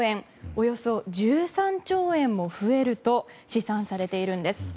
およそ１３兆円も増えると試算されているんです。